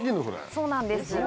そうなんです。